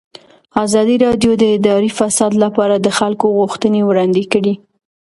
ازادي راډیو د اداري فساد لپاره د خلکو غوښتنې وړاندې کړي.